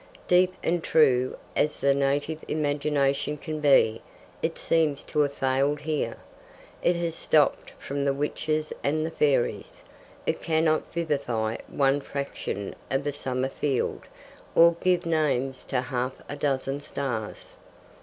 Deep and true as the native imagination can be, it seems to have failed here. It has stopped with the witches and the fairies. It cannot vivify one fraction of a summer field, or give names to half a dozen stars.